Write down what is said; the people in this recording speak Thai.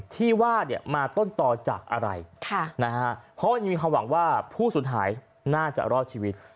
ที่ว่ามาต้นต่อจากอะไรนะครับเพราะมีความหวังว่าผู้สุดหายน่าจะรอดชีวิต